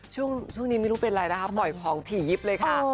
ช่วงนี้ไม่รู้เป็นอะไรนะคะปล่อยของถี่ยิบเลยค่ะ